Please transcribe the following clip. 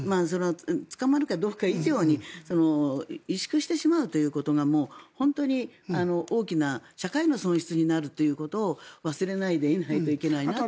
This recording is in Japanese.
捕まるかどうか以上に萎縮してしまうということが大きな社会の損失になるということを忘れてはいけないと。